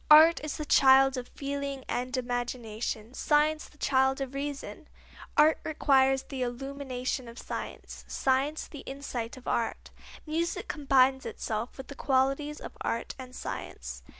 Art is the child of feeling and imagination; science the child of reason. Art requires the illumination of science; science the insight of art. Music combines within itself the qualities of art and science.